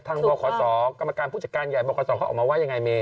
ทางบรขสอบกรรมการผู้จัดการใหญ่บรขสอบเขาออกมาว่ายังไงเม